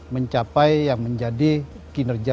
mencapai yang menjadi kinerja